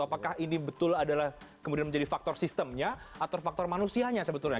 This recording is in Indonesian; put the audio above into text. apakah ini betul adalah kemudian menjadi faktor sistemnya atau faktor manusianya sebetulnya